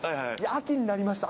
秋になりました。